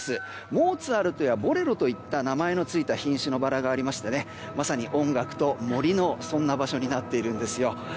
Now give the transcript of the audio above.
モーツァルトやボレロといった名前の付いた品種のバラがありましてまさに音楽と森のそんな場所になっているんですよ。